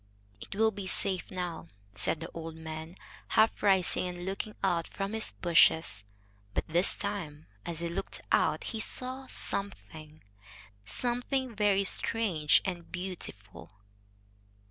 "It will be safe now," said the old man, half rising and looking out from his bushes. But this time, as he looked out, he saw something, something very strange and beautiful.